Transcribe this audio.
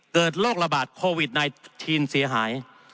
โรคระบาดโควิด๑๙เสียหาย